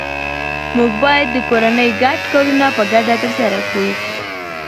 موږ باید د کورنۍ ګډ کارونه په ګډه ترسره کړو